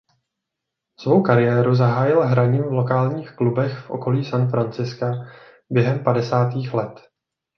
Svou kariéru zahájil hraním v lokálních klubech v okolí San Francisca během padesátých let.